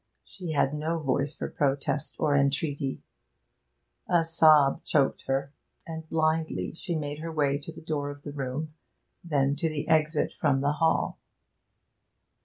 She had no voice for protest or entreaty a sob choked her; and blindly she made her way to the door of the room, then to the exit from the Hall.